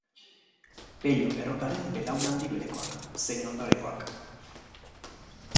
Pello Errotaren belaunaldi berekoak, zein ondorengoak.